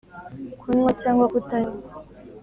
kunywa cyangwa kutanywa